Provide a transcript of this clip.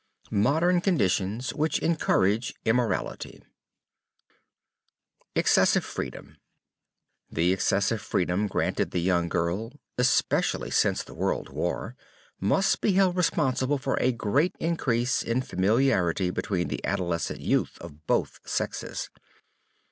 _ MODERN CONDITIONS WHICH ENCOURAGE IMMORALITY Excessive Freedom. The excessive freedom granted the young girl, especially since the World War, must be held responsible for a great increase in familiarity between the adolescent youth of both sexes.